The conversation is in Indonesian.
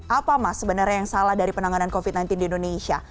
apa mas sebenarnya yang salah dari penanganan covid sembilan belas di indonesia